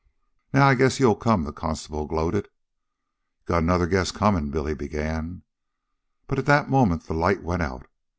"Now, I guess you'll come," the constable gloated. "You got another guess comin'," Billy began. But at that moment the light went out.